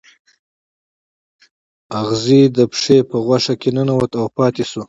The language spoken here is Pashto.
اغزی د پښې په غوښه کې ننوت او پاتې شو.